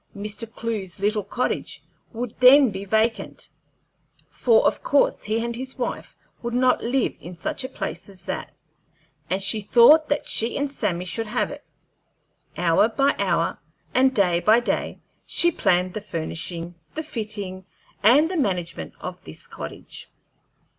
Mr. Clewe's little cottage would then be vacant, for of course he and his wife would not live in such a place as that, and she thought that she and Sammy should have it. Hour by hour and day by day she planned the furnishing, the fitting, and the management of this cottage.